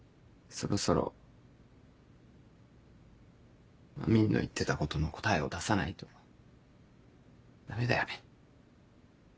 そろそろまみんの言ってたことの答えを出さないとダメだよね。